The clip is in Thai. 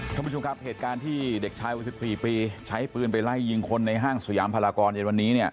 ท่านผู้ชมครับเหตุการณ์ที่เด็กชายวัย๑๔ปีใช้ปืนไปไล่ยิงคนในห้างสยามพลากรเย็นวันนี้